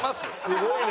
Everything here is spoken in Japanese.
すごいね。